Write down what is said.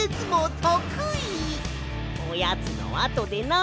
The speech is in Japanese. おやつのあとでな！